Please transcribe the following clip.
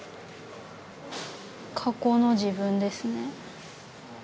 過去の自分ですね。